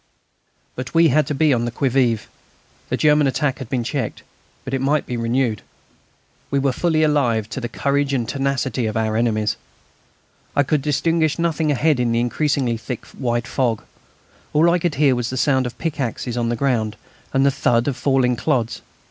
But we had to be on the qui vive. The German attack had been checked, but it might be renewed. We were fully alive to the courage and tenacity of our enemies. I could distinguish nothing ahead in the increasingly thick white fog. All I could hear was the sound of pickaxes on the ground and the thud of falling clods.